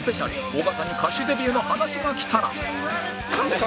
尾形に歌手デビューの話が来たら？